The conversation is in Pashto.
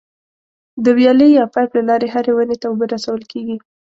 د ویالې یا پایپ له لارې هرې ونې ته اوبه رسول کېږي.